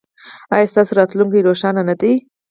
ایا ستاسو راتلونکې روښانه نه ده؟